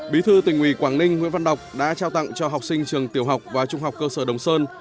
bí thư tỉnh ủy quảng ninh nguyễn văn đọc đã trao tặng cho học sinh trường tiểu học và trung học cơ sở đồng sơn